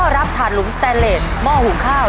ถาดหลุมสแตนเลสหม้อหุงข้าว